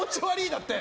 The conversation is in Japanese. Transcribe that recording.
だって。